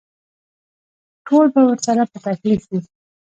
ټول به ورسره په تکلیف وي.